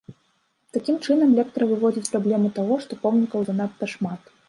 Такім чынам, лектар выводзіць праблему таго, што помнікаў занадта шмат.